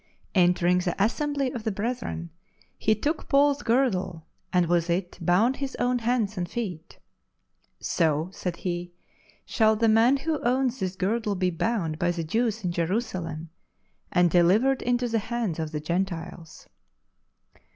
Entering the assembly of the brethren, he took Paul's girdle, and twth it bound his own hands and feet. " So," said he, " shall the man who owns this girdle be bound by the Jew's in Jerusalem, and delivered into the hands of the Gentiles."